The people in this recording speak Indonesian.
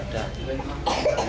dan misalkan itu saya pak